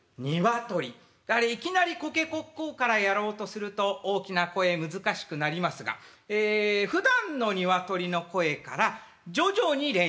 あれいきなり「コケコッコー」からやろうとすると大きな声難しくなりますがええふだんの鶏の声から徐々に練習していきます。